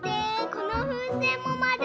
このふうせんもまる！